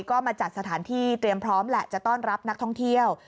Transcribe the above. ก็มาจัดสถานที่เตรียมพร้อมแหละจะต้อนรับนักท่องเที่ยว